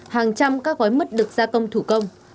hàng trăm các gói mứt được gia công thủ công